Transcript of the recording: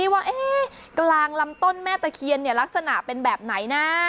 ว่ากลางลำต้นแม่ตะเคียนลักษณะเป็นแบบไหนนะ